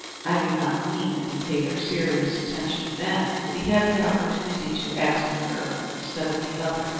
I do not mean that he paid her serious attention then, but he had the opportunity to ask her instead of the other.